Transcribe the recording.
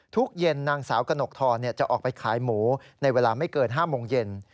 เย็นนางสาวกระหนกทรจะออกไปขายหมูในเวลาไม่เกิน๕โมงเย็น